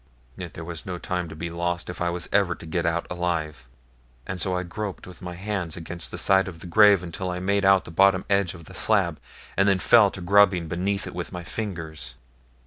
Yet there was no time to be lost if I was ever to get out alive, and so I groped with my hands against the side of the grave until I made out the bottom edge of the slab, and then fell to grubbing beneath it with my fingers.